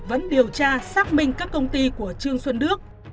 vẫn điều tra xác minh các công ty của trương xuân đức